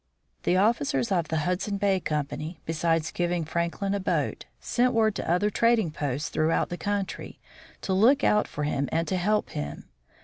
The officers of the Hudson Bay Company, besides giv ing Franklin a boat, sent word to other trading posts throughout the country, to look out for him and to help him.